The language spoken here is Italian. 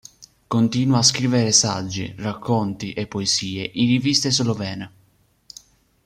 Continua a scrivere saggi, racconti e poesie in riviste slovene.